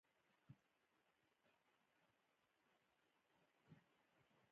لمریز ځواک د افغانستان د اقلیمي نظام ښکارندوی ده.